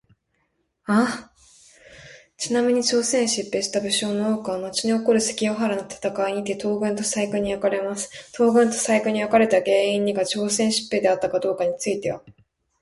ちなみに、朝鮮へ出兵した武将の多くはのちに起こる関ヶ原の戦いにて東軍と西軍に分かれます。東軍と西軍に分かれた原因にが朝鮮出兵であったかどうかについては定かではありません。